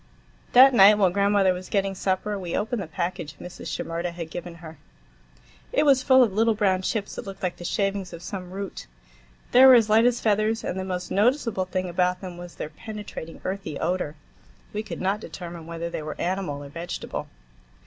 That night, while grandmother was getting supper, we opened the package Mrs. Shimerda had given her. It was full of little brown chips that looked like the shavings of some root. They were as light as feathers, and the most noticeable thing about them was their penetrating, earthy odor. We could not determine whether they were animal or vegetable.